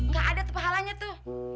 gak ada tuh pahalanya tuh